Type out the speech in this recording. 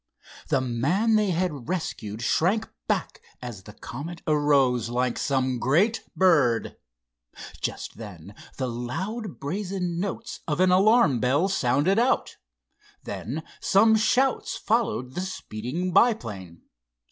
The man they had rescued shrank back as the Comet arose like some great bird. Just then the loud brazen notes of an alarm bell sounded out. Then some shouts followed the speeding biplane.